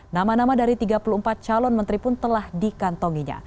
nama nama dari tiga puluh empat calon menteri pun telah dikantonginya